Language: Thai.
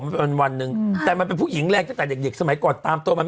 มันเป็นวันหนึ่งแต่มันเป็นผู้หญิงแรกแต่เด็กสมัยก่อนตามตัวมัน